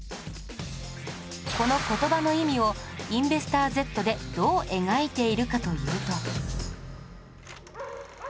この言葉の意味を『インベスター Ｚ』でどう描いているかというと